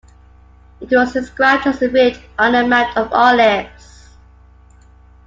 It was described as a village on the Mount of Olives.